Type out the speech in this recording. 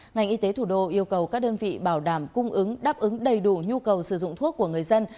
ngành y tế thủ đô yêu cầu các đơn vị bảo đảm cung ứng đáp ứng đầy đủ nhu cầu sử dụng thuốc của người dân